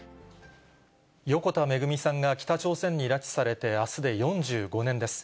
横田めぐみさんが北朝鮮に拉致されてあすで４５年です。